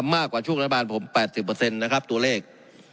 มากกว่าช่วงรัฐบาลผม๘๐นะครับตัวเลข